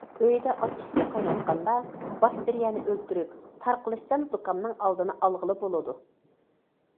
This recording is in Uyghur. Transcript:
ئۆيدە ئاچچىقسۇ قايناتقاندا باكتېرىيەنى ئۆلتۈرۈپ، تارقىلىشچان زۇكامنىڭ ئالدىنى ئالغىلى بولىدۇ.